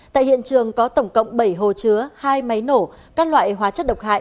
tại hiện trường có tổng cộng bảy hồ chứa hai máy nổ các loại hóa chất độc hại